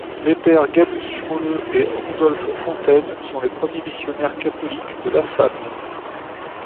Les pères Gallus Schrole et Rudolph Fontaine sont les premiers missionnaires catholiques de l’Assam.